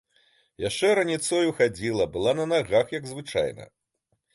Яшчэ раніцою хадзіла, была на нагах, як звычайна.